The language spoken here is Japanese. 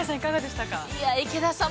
◆池田さん